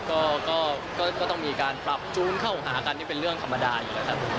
ก็ต้องมีการปรับจูนเข้าหากันนี่เป็นเรื่องธรรมดาอยู่แล้วครับ